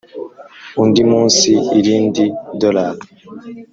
undi munsi, irindi dorari